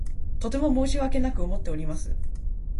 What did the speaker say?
とても申し訳なく思っております。